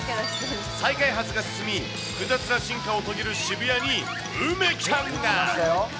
再開発が進み、複雑な進化を遂げる渋谷に、梅ちゃんが。